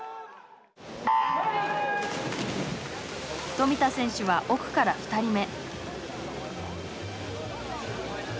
富田選手は奥から２人目。